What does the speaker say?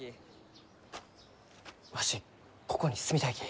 わしここに住みたいき。